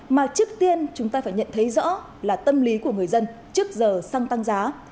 mà trước tiên chúng ta phải nhận thấy rõ là tâm lý của người dân trước giờ xăng tăng giá